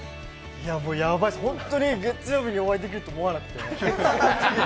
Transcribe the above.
やばいっす、本当に月曜日にお会いできると思わなくて。